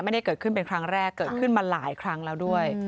ไม่ได้เกิดขึ้นเป็นครั้งแรกเกิดขึ้นมาหลายครั้งแล้วด้วย